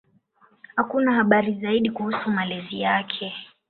Hakuna habari zaidi kuhusu malezi yake.